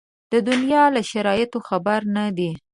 د دنیا له شرایطو خبر نه دي.